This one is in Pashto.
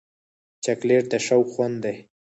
چاکلېټ د شوق خوند دی.